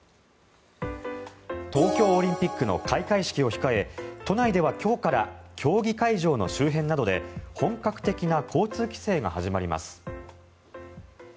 東京オリンピックの開会式を控え都内では今日から競技会場の周辺などで本格的な交通規制が始まります。